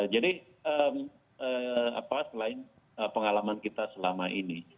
jadi apa selain pengalaman kita selama ini